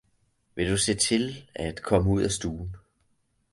Vil du se til at komme ud af stuen!